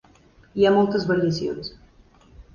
Hi ha moltes variacions.